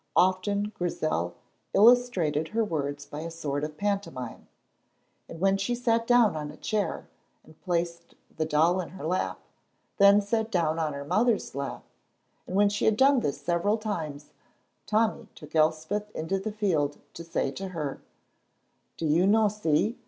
Often Grizel illustrated her words by a sort of pantomime, as when she sat down on a chair and placed the doll in her lap, then sat down on her mother's lap; and when she had done this several times Tommy took Elspeth into the field to say to her: "Do you no see?